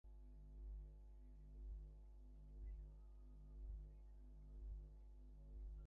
গতকাল মঙ্গলবার দণ্ডপ্রাপ্ত পুলিশ রকিবুল হাসান আত্মসমর্পণ করে জামিনের আবেদন করেন।